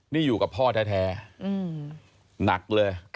นี่อยู่กับพ่อแท้หนักเลย